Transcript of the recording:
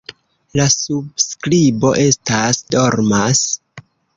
La surskribo estas: "dormas".